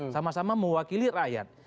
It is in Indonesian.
sama sama mewakili rakyat